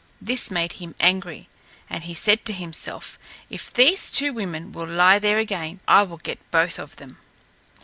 This made him angry, and he said to himself, "If these two women will lie there again, I will get both of them."